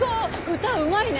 歌うまいね！